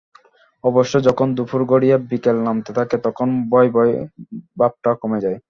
অবশ্য যখন দুপুর গড়িয়ে বিকেল নামতে থাকে, তখন ভয়ভয় ভাবটা কমে যায়।